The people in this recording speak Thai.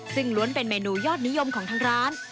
ซึ่งล้วนเป็นเมนูยอดนิยมของทางร้าน